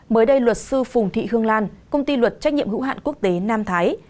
mới đây luật sư phùng thị hương lan công ty luật trách nhiệm hữu hạn quốc tế nam thái